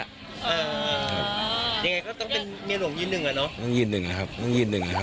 เดี๋ยวไงก็ต้องเป็นเมียหนุ่มยืนหนึ่งอ่ะเนอะ